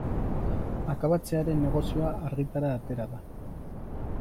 Akabatzearen negozioa argitara atera da.